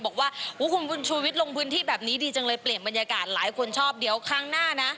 บอกว่าคุณบุญชูวิทย์ลงพื้นที่แบบนี้ดีจังเลยเปลี่ยนบรรยากาศหลายคนชอบเดี๋ยวครั้งหน้านะ